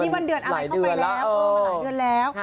คือมันหลายเดือนแล้ว